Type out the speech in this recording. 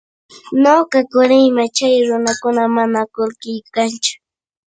Nuqa kuriyman chay runakunama mana kulkiy kanchu.